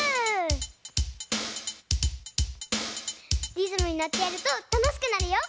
リズムにのってやるとたのしくなるよ！